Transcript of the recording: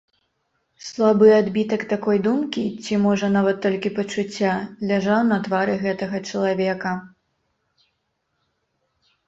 Слабы адбітак такой думкі, ці можа нават толькі пачуцця, ляжаў на твары гэтага чалавека.